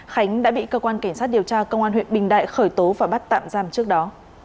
khánh đã bị cơ quan cảnh sát điều tra công an huyện bình đại khởi tố và bắt tạm giam trước đó